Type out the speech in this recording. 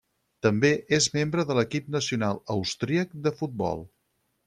També és membre de l'equip nacional austríac de futbol.